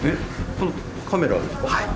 このカメラですか？